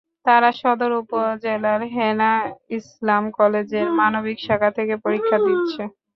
তাঁরা সদর উপজেলার হেনা ইসলাম কলেজের মানবিক শাখা থেকে পরীক্ষা দিচ্ছে।